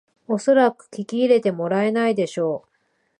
おそらく聞き入れてもらえないでしょう